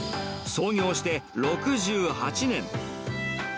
創業して６８年。